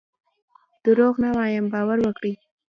دروغ نه وایم باور وکړئ.